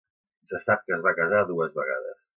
Se sap que es va casar dues vegades.